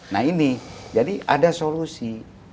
nah ini jadi ada solusi